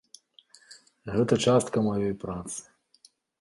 Гэта частка маёй працы.